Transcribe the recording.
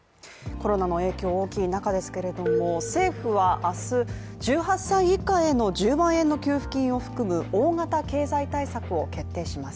コロナの影響も大きい中ですけれども政府は明日１８歳以下への１０万円の給付金を含む大型経済対策を決定します。